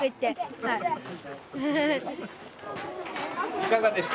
いかがでした？